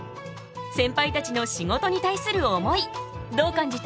センパイたちの仕事に対する思いどう感じた？